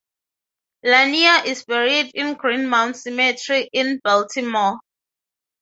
Lanier is buried in Green Mount Cemetery in Baltimore.